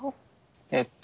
えっと